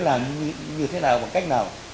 làm như thế nào bằng cách nào